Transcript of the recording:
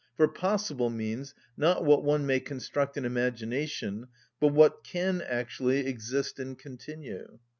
For possible means, not what one may construct in imagination, but what can actually exist and continue.